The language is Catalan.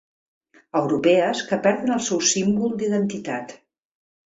Europees que perden el seu símbol d'identitat.